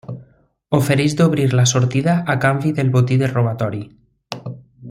Ofereix d'obrir la sortida a canvi del botí del robatori.